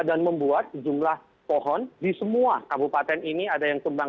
dan membuat sejumlah pohon di semua kabupaten ini ada yang tumbang